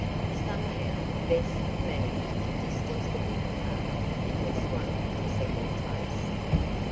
Somehow Bess had managed to distance the big car and had swung to second place.